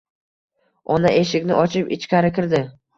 Ona eshikni ochib, ichkari kirdi.